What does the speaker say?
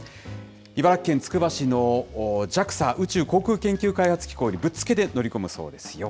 茨城県つくば市のＪＡＸＡ・宇宙航空研究開発機構にぶっつけで乗り込むそうですよ。